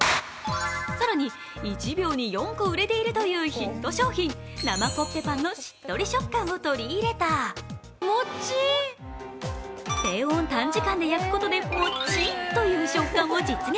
更に、１秒に４個売れているというヒット商品、生コッペパンのしっとり食間を取り入れた低温短時間で焼くことでもっちぃという触感を実現。